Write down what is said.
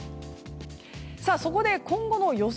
そこで今後の予想